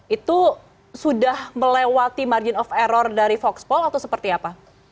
itu sudah melewati margin of error dari foxpol atau seperti apa